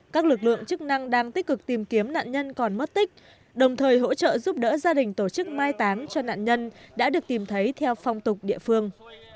các lực lượng chức năng đang tích cực tìm kiếm nạn nhân còn mất tích đồng thời hỗ trợ giúp đỡ gia đình tổ chức mai tán cho nạn nhân đã được tìm thấy theo phong tục địa phương